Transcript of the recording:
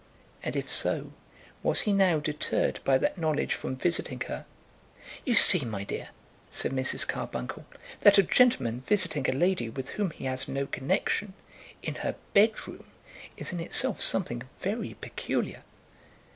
and if so, was he now deterred by that knowledge from visiting her? "You see, my dear," said Mrs. Carbuncle, "that a gentleman visiting a lady with whom he has no connexion, in her bedroom, is in itself something very peculiar."